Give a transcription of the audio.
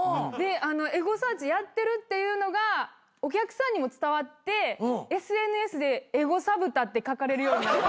でエゴサーチやってるっていうのがお客さんにも伝わってＳＮＳで「エゴサ豚」って書かれるように。